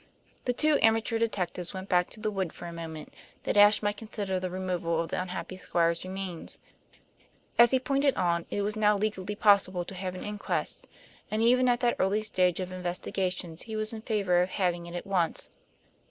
The two amateur detectives went back to the wood for the moment, that Ashe might consider the removal of the unhappy Squire's remains. As he pointed out, it was now legally possible to have an inquest, and, even at that early stage of investigations, he was in favor of having it at once.